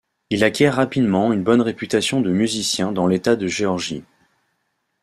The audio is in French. Il acquiert rapidement une bonne réputation de musicien dans l'État de Géorgie.